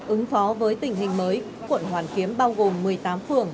ứng phó với tình hình mới quận hoàn kiếm bao gồm một mươi tám phường